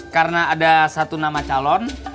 karena ada satu nama calon